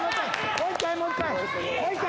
もう一回もう一回！